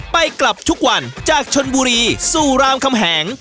ไปกลับทุกวันจากชนบุรีสู่รามคำแหง